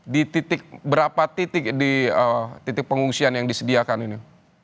di titik berapa titik di titik pengungsian yang disediakan ini